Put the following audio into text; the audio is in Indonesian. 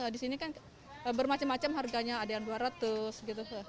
di sini kan bermacam macam harganya ada yang dua ratus gitu